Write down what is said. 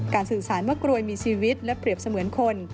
สื่อสารว่ากรวยมีชีวิตและเปรียบเสมือนคน